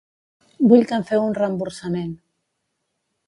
Vull que em feu un reemborsament.